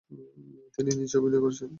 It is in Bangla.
তিনি নিজেই অভিনয় করেছেন।